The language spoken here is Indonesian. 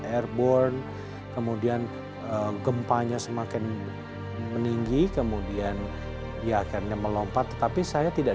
airborne kemudian gempanya semakin meninggi kemudian dia akhirnya melompat tetapi saya tidak